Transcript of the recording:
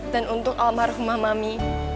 dan untuk almarhumah mami